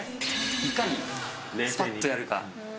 いかにスパッとやるか。